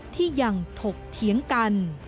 ที่ยังถกเถียงกัน